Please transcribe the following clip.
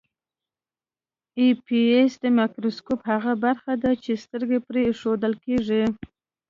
آی پیس د مایکروسکوپ هغه برخه ده چې سترګه پرې ایښودل کیږي.